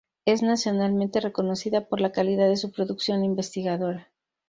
Es nacionalmente reconocida por la calidad de su producción investigadora.